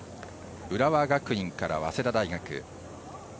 浦和学院から早稲田大学。